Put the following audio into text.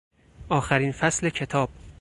آخرین فصل کتاب